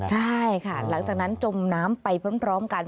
ใช่ค่ะหลังจากนั้นจมน้ำไปพร้อมกัน